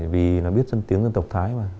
vì nó biết dân tiếng dân tộc thái mà